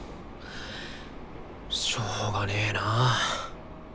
しょうがねえなぁ。